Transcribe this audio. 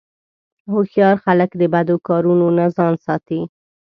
هوښیار خلک د بدو کارونو نه ځان ساتي.